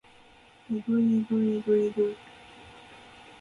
ｲｸﾞｲｸﾞｲｸﾞｲｸﾞ